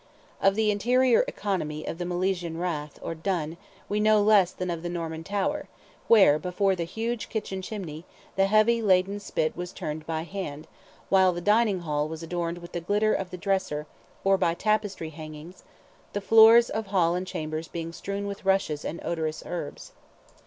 Of the interior economy of the Milesian rath, or dun, we know less than of the Norman tower, where, before the huge kitchen chimney, the heavy laden spit was turned by hand, while the dining hall was adorned with the glitter of the dresser, or by tapestry hangings;—the floors of hall and chambers being strewn with rushes and odorous herbs.